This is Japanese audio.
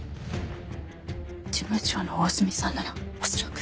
事務長の大隅さんなら恐らく。